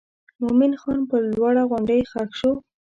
مومن خان پر لوړه غونډۍ ښخ شو.